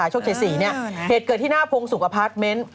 เหตุเกิดที่หน้าพงศ์สูงอพาร์ทเมนต์